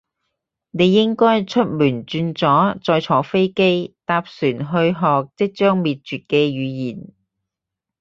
你應該出門轉左，再坐飛機，搭船去學即將滅絕嘅語言